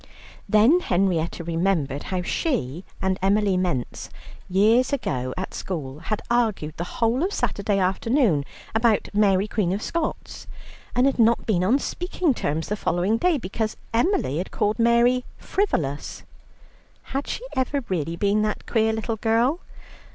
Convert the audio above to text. Then Henrietta remembered how she and Emily Mence years ago at school, had argued the whole of Saturday afternoon about Mary Queen of Scots, and had not been on speaking terms the following day, because Emily had called Mary frivolous. Had she ever really been that queer little girl?